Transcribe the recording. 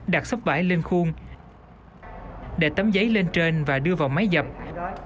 đặt sốc bãi lên khuôn để tấm giấy lên trên và đưa vào máy dùng